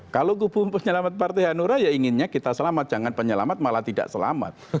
kalau kubu penyelamat partai hanura ya inginnya kita selamat jangan penyelamat malah tidak selamat